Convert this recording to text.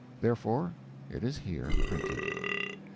Therefore it is here printed.